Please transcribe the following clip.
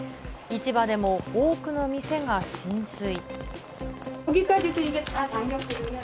市場でも多くの店が浸水。